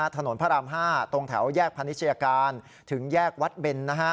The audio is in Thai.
ถนนพระราม๕ตรงแถวแยกพนิชยาการถึงแยกวัดเบน